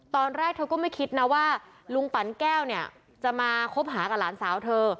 ตอนแรกเธอก็ไม่คิดนะว่าลุงปั่นแก้วเนี่ยจะมาคบหากับหลานสาวเธอ